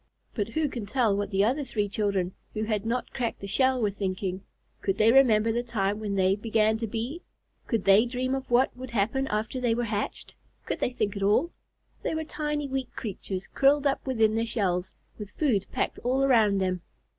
But who can tell what the other three children, who had not cracked the shell, were thinking? Could they remember the time when they began to be? Could they dream of what would happen after they were hatched? Could they think at all? They were tiny, weak creatures, curled up within their shells, with food packed all around them.